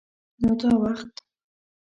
_نو دا وخت؟